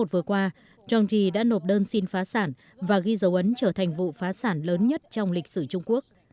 vừa qua changgi đã nộp đơn xin phá sản và ghi dấu ấn trở thành vụ phá sản lớn nhất trong lịch sử trung quốc